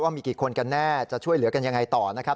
มีกี่คนกันแน่จะช่วยเหลือกันยังไงต่อนะครับ